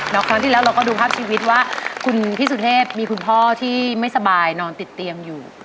แล้วครั้งที่แล้วเราก็ดูภาพชีวิตว่าคุณพี่สุเทพมีคุณพ่อที่ไม่สบายนอนติดเตียงอยู่